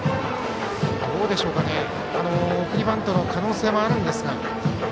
どうでしょう、送りバントの可能性もあるんですが。